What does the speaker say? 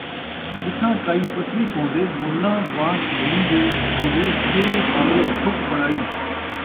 جتھاں کئی ٻکری کوہندے، مُلاں وانگ ہِلیں دے بھوندے، سری پاوے ٹھُک بݨائی